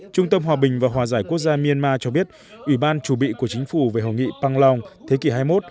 trung tâm hòa bình và hòa giải quốc gia myanmar cho biết ủy ban chủ bị của chính phủ về hội nghị pang long thế kỷ hai mươi một